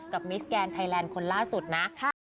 มิสแกนไทยแลนด์คนล่าสุดนะ